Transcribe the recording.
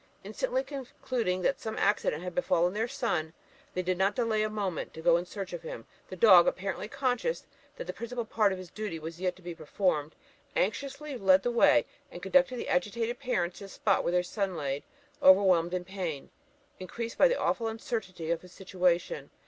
Instantly concluding that some accident had befallen their son, they did not delay a moment to go in search of him. The dog, apparently conscious that the principal part of his duty was yet to be performed, anxiously led the way, and conducted the agitated parents to the spot where their son lay overwhelmed with pain, increased by the awful uncertainty of his situation.